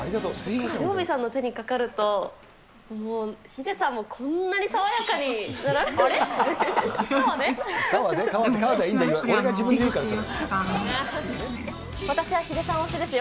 火曜びさんの手にかかると、ヒデさんもこんなに爽やかになられるんですね。